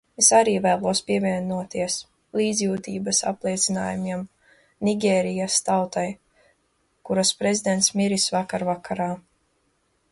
Es arī vēlos pievienoties līdzjūtības apliecinājumiem Nigērijas tautai, kuras prezidents miris vakar vakarā.